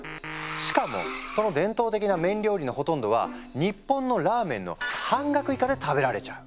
しかもその伝統的な麺料理のほとんどは日本のラーメンの半額以下で食べられちゃう。